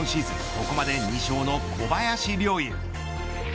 ここまで２勝の小林陵侑。